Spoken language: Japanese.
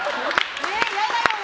嫌だよね！